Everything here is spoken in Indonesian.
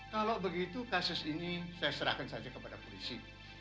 kalau begitu kasus ini saya serahkan saja kepada polisi